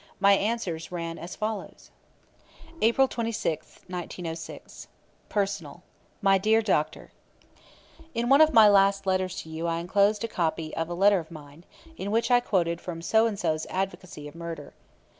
My answers ran as follows: April 26, 1906. "Personal. My dear Doctor: "In one of my last letters to you I enclosed you a copy of a letter of mine, in which I quoted from [So and so's] advocacy of murder.